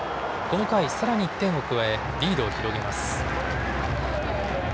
この回さらに１点を加えリードを広げます。